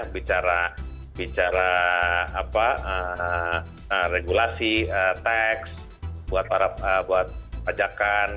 bicara bicara apa regulasi teks buat pajakan